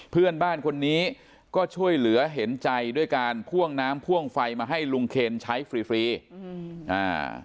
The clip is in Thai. เพื่อนบ้านคนนี้ก็ช่วยเหลือเห็นใจด้วยการพ่วงน้ำพ่วงไฟมาให้ลุงเคนใช้ฟรีฟรีอืมอ่า